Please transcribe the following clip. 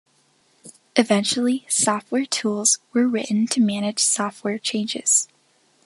Eventually, software tools were written to manage software changes.